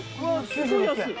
すごい安い。